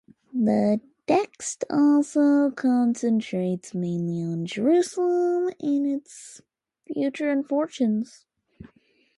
The text also concentrates mainly on Jerusalem and its future and fortunes.